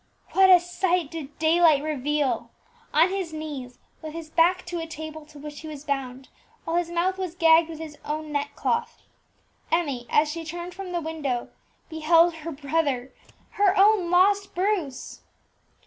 What a sight did daylight reveal! On his knees, with his back to a table to which he was bound, while his mouth was gagged with his own neckcloth, Emmie, as she turned from the window, beheld her brother her own lost Bruce!